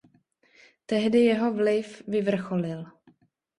Tehdy jeho vliv vyvrcholil.